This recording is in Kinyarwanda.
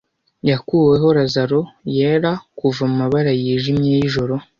yakuweho lazaro yera kuva amabara yijimye yijoro